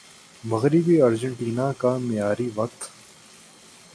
مغربی ارجنٹینا کا معیاری وقت